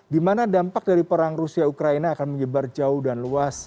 di mana dampak dari perang rusia ukraina akan menyebar jauh dan luas